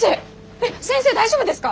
えっ先生大丈夫ですか？